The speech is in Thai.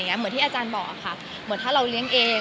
เหมือนที่อาจารย์บอกค่ะเหมือนถ้าเราเลี้ยงเอง